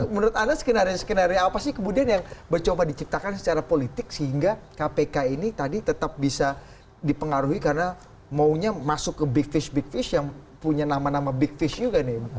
menurut anda skenario skenario apa sih kemudian yang bercoba diciptakan secara politik sehingga kpk ini tadi tetap bisa dipengaruhi karena maunya masuk ke big fish big fish yang punya nama nama big fish juga nih